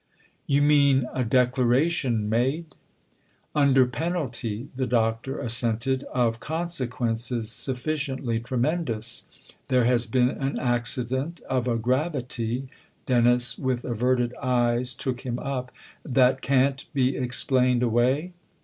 " You mean a declaration made ?"" Under penalty," the Doctor assented, " of con sequences sufficiently tremendous. There has been an accident of a gravity " Dennis, with averted eyes, took him up. "That can't be explained away